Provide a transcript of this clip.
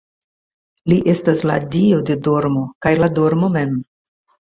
Li estas la dio de dormo kaj la dormo mem.